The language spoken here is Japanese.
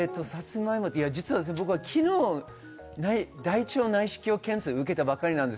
昨日、大腸内視鏡検査を受けたばかりなんです。